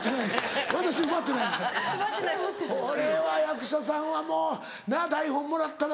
これは役者さんはもうなっ。